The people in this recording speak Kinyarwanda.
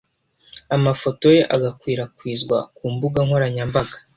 amafoto ye agakwirakwizwa ku mbuga nkoranyambaga